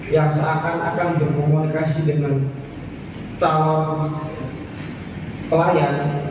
yang seakan akan berkomunikasi dengan calon klien